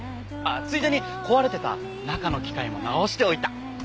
ついでに壊れてた中の機械も直しておいた。